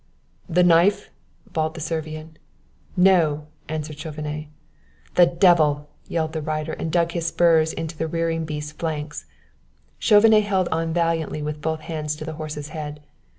"The knife?" bawled the Servian. "No!" answered Chauvenet. "The devil!" yelled the rider; and dug his spurs into the rearing beast's flanks. Chauvenet held on valiantly with both hands to the horse's head.